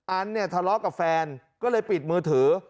อันแถลากับแฟนปิดมือถือ